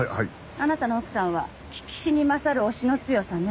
あなたの奥さんは聞きしに勝る押しの強さね。